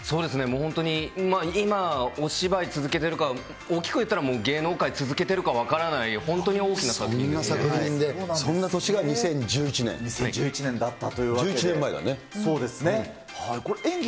もう本当に、今、お芝居続けてるか、大きく言ったら、芸能界続けてるか分からない、そんな作品で、そんな年が２０１１年だったということ１１年前だね。